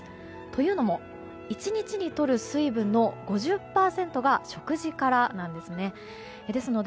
というのも、１日に取る水分の５０％が食事からなんですね。